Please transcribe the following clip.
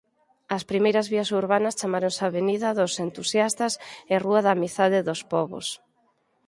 As primeiras vías urbanas chamáronse Avenida dos Entusiastas e rúa da Amizade dos Pobos.